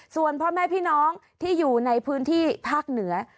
ส่วนพ่อแม่พี่น้องที่อยู่ในพื้นที่ภาคเหนือ